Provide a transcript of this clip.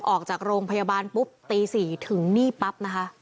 ออกจากโรงพยาบาลปุ๊บตี๔ถึงนี่ปั๊บนะคะ